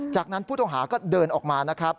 จากนั้นผู้ต้องหาก็เดินออกมานะครับ